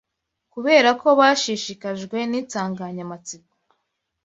kubera ko bashishikajwe ninsanganyamatsiko,